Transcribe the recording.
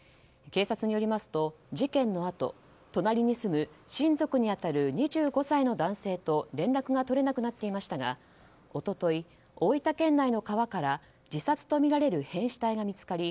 警察によりますと事件のあと隣に住む親族に当たる２５歳の男性と連絡が取れなくなっていましたが一昨日、大分県内の川から自殺とみられる変死体が見つかり